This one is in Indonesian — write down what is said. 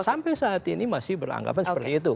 sampai saat ini masih beranggapan seperti itu